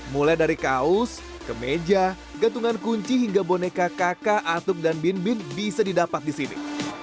mulai dari kaos kemeja gatungan kunci hingga boneka kakak atup dan bin bin bisa didapat di sini